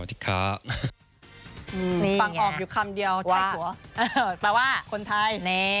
แปลว่าแปลว่าคนไทย